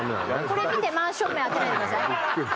これ見てマンション名当てないでください